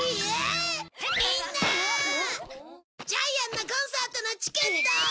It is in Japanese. ジャイアンのコンサートのチケットを。